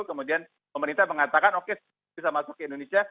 kemudian pemerintah mengatakan oke bisa masuk ke indonesia